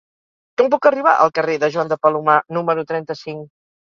Com puc arribar al carrer de Joan de Palomar número trenta-cinc?